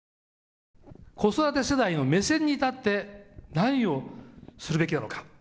子育て世代の目線に立って何をするべきなのか。